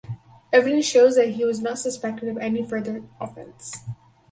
Evidence shows that he was not suspected of any further offense.